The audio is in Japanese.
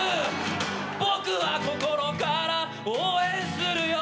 「僕は心から応援するよ」